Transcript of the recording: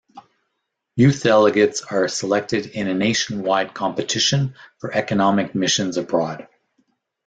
Youth delegates are selected in a nationwide competition for economic missions abroad.